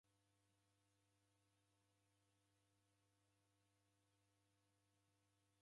Maghanga mengi gha ndembe ghafuma kimonu.